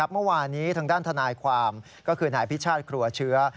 เมื่อวานี้ทางด้านทนายความก็คือนายพิชาติครัวเชื้อ